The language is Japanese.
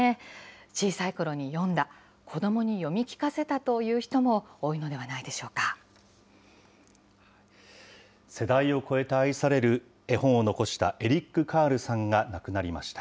小さいころに読んだ、子どもに読み聞かせたという人も多いのでは世代を超えて愛される絵本を残したエリック・カールさんが亡くなりました。